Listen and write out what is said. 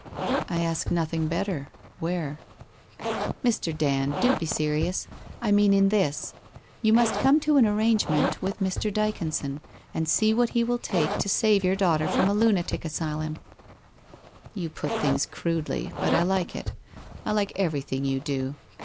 ' I ask nothing better. Where ?'' Mr. Dand, do be serious — I mean, in this. You must come to an arrangement with Mr. Dyconson, and 6ee what he will take to save your daughter from a lunatic asylum/ 1 You put tilings crudely, but I like it. I like everything you do.